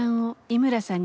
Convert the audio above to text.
井村さん。